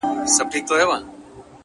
څنگه دي هېره كړمه-